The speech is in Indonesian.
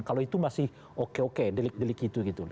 kalau itu masih oke oke delik delik itu gitu